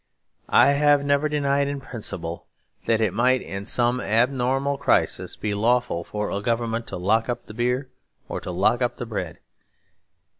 I have never denied, in principle, that it might in some abnormal crisis be lawful for a government to lock up the beer, or to lock up the bread.